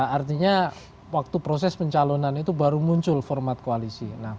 artinya waktu proses pencalonan itu baru muncul format koalisi